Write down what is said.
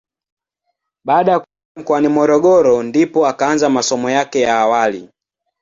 Baada ya kufika mkoani Morogoro ndipo akaanza masomo yake ya awali.